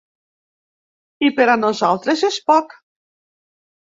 I per a nosaltres és poc.